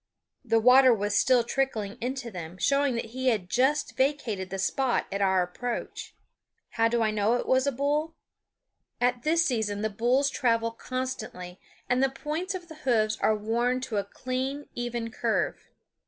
The water was still trickling into them, showing that he had just vacated the spot at our approach. How do I know it was a bull? At this season the bulls travel constantly, and the points of the hoofs are worn to a clean, even curve.